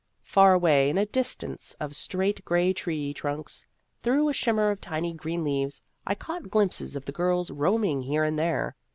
Far away in a distance of straight gray tree trunks, through a shimmer of tiny green leaves, I caught glimpses of the girls roaming here and there.